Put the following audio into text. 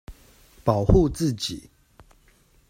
保護自己